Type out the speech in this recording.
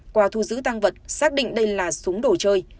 qua thu giữ tăng vật xác định đây là súng đồ chơi